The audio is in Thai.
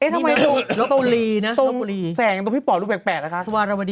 ตรงแสงตรงพี่ป๋อดูแปลกนะคะ